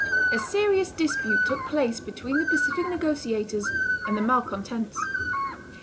A serious dispute took place between the pacific negotiators and the malcontents.